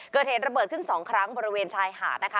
เกิดเหตุระเบิดขึ้น๒ครั้งบริเวณชายหาดนะคะ